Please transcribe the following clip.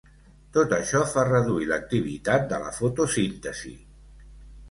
Tot això fa reduir l'activitat de la fotosíntesi.